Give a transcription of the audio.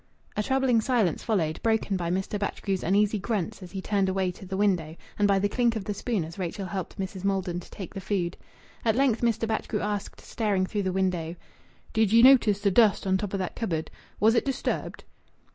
A troubling silence followed, broken by Mr. Batchgrew's uneasy grunts as he turned away to the window, and by the clink of the spoon as Rachel helped Mrs. Maldon to take the food. At length Mr. Batchgrew asked, staring through the window "Did ye notice the dust on top o' that cupboard? Was it disturbed?"